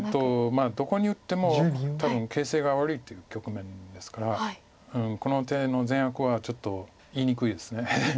まあどこに打っても多分形勢が悪いっていう局面ですからこの手の善悪はちょっと言いにくいです。